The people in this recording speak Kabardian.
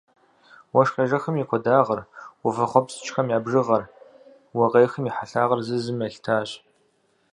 Уэшх къежэхым и куэдагъыр, уафэхъуэпскӏхэм я бжыгъэр, уэ къехым и хьэлъагъыр зыр зым елъытащ.